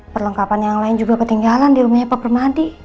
perlengkapan yang lain juga ketinggalan di rumahnya pak permadi